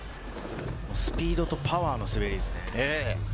スピードとパワーの滑りですね。